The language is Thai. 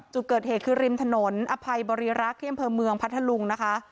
นี่ก็รืมถนนอภัยบริรักษาเขียนเมืองภาษาหลงนะคะ